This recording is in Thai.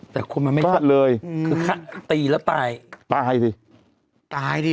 แต่คนมันไม่ชัดเลยอืมคือตีแล้วตายตายดิตายดิ